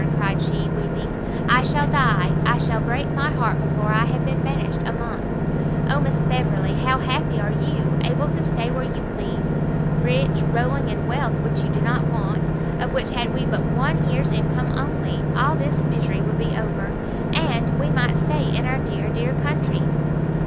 cried she, weeping, "I shall die, I shall break my heart before I have been banished a month! Oh Miss Beverley, how happy are you! able to stay where you please, rich, rolling in wealth which you do not want, of which had we but one year's income only, all this misery would be over, and we might stay in our dear, dear, country!"